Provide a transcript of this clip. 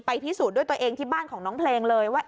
พิสูจน์ด้วยตัวเองที่บ้านของน้องเพลงเลยว่า